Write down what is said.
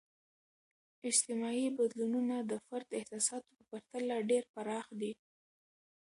اجتماعي بدلونونه د فرد احساساتو په پرتله ډیر پراخ دي.